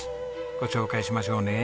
ご紹介しましょうね。